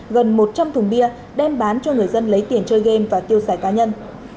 gần một trăm linh thùng bia đem bán cho người dân lấy tiền chơi game và tiêu xài cá nhân